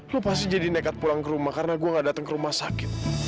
lu pasti jadi nekat pulang ke rumah karena gua gak dateng ke rumah sakit